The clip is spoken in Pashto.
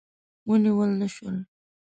ونیول نه شول.